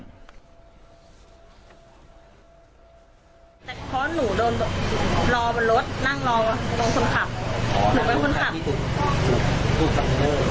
แต่เพราะหนูโดนรอบนรถนั่งรอตรงคนขับหนูเป็นคนขับ